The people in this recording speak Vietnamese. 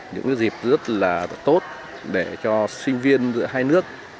những dịp rất là tốt để cho sinh viên giữa hai nước